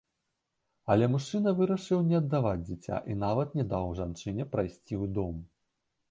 Але мужчына вырашыў не аддаваць дзіця і нават не даў жанчыне прайсці ў дом.